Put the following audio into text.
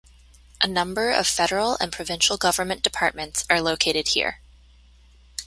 A number of federal and provincial government departments are located here.